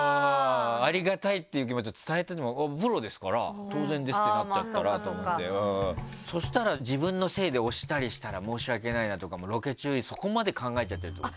ありがたいって気持ちを伝えるとプロですから当然ですってなっちゃうと思ってそしたら自分のせいで押したりしたら申し訳ないなとかロケ中、そこまで考えちゃってるってこと？